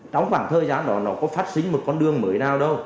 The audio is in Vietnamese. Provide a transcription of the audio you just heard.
trong khoảng thời gian đó nó có phát sinh một con đường mới nào đâu